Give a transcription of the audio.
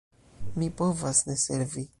Mi povas ne servi.